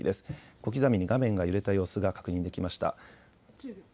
小刻みに画面が揺れた様子が確認できました。